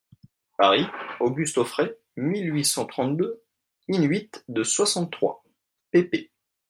Paris, Auguste Auffray, mille huit cent trente-deux, in-huit de soixante-trois pp.